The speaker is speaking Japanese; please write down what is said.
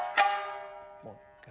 もう一回。